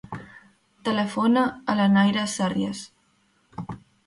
Telefona a la Naira Sarrias.